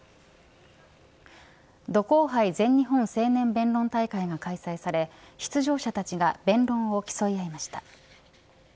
土光杯全日本青年弁論大会が開催され出場者たちが弁論を競い合いました。